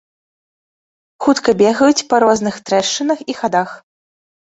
Хутка бегаюць па розных трэшчынах і хадах.